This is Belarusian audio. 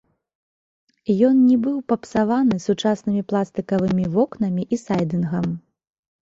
Ён не быў папсаваны сучаснымі пластыкавымі вокнамі і сайдынгам.